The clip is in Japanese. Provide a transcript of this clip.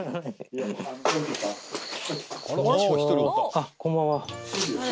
あっこんばんは。